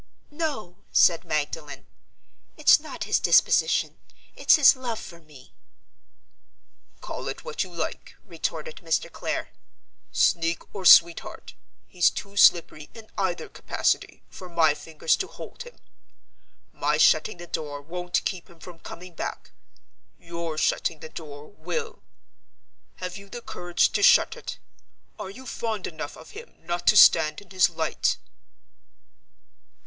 "No!" said Magdalen. "It's not his disposition; it's his love for Me." "Call it what you like," retorted Mr. Clare. "Sneak or Sweetheart —he's too slippery, in either capacity, for my fingers to hold him. My shutting the door won't keep him from coming back. Your shutting the door will. Have you the courage to shut it? Are you fond enough of him not to stand in his light?"